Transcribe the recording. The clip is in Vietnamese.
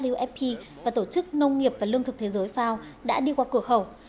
ufp và tổ chức nông nghiệp và lương thực thế giới fao đã đi qua cửa khẩu